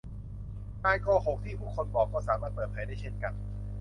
การโกหกที่ผู้คนบอกก็สามารถเปิดเผยได้เช่นกัน